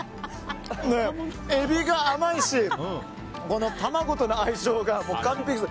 エビが甘いし卵との相性が完璧です。